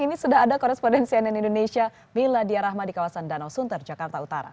ini sudah ada korespondensian di indonesia bila diyarahma di kawasan danau sunter jakarta utara